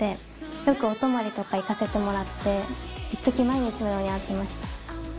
よくお泊まりとか行かせてもらっていっとき毎日のように会ってました。